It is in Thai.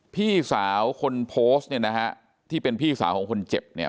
พี่สาวคนโพสต์เนี่ยนะฮะที่เป็นพี่สาวของคนเจ็บเนี่ย